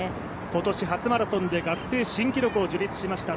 今年初マラソンで学生新記録を樹立しました。